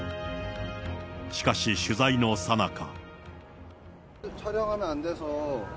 しかし、取材のさなか。